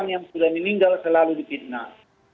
yang sudah meninggal selalu dipitnah